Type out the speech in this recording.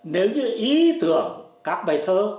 nếu như ý tưởng các bài thơ